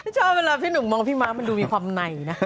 ชอบเวลาพี่หนูมองพี่มั๊กมันน่าว่าดูมีความไหนนะ